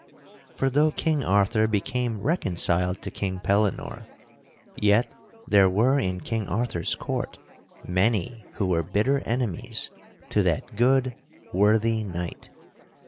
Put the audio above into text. For though King Arthur became reconciled to King Pellinore, yet there were in King Arthur's court many who were bitter enemies to that good, worthy knight.